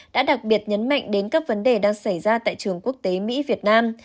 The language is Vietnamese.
đã đặc biệt nhấn mạnh đến các vấn đề đang xảy ra tại trường quốc tế mỹ việt nam